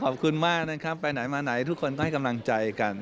ขอบคุณมากนะครับไปไหนมาไหนทุกคนก็ให้กำลังใจกัน